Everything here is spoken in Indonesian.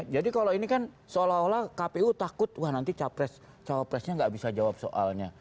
jadi kalau ini kan seolah olah kpu takut nanti capres capresnya gak bisa jawab soalnya